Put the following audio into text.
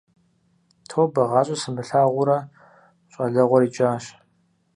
Тобэ, гъащӀэ сымылъагъуурэ щӀалэгъуэр икӀащ.